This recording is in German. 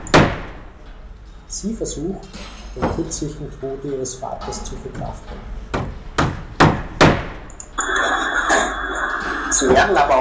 Sie versucht, den kürzlichen Tod ihres Vaters zu verkraften.